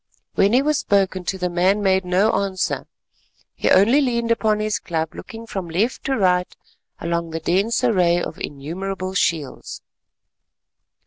When he was spoken to, the man made no answer; he only leaned upon his club looking from left to right along the dense array of innumerable shields.